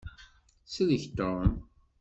Sellek Tom!